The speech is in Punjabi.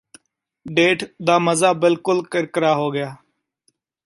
ਡੇਟ ਦਾ ਮਜ਼ਾ ਬਿਲਕੁਲ ਕਿਰਕਿਰਾ ਹੋ ਗਿਆ